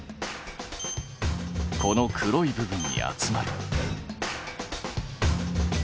この黒い部分に集まる。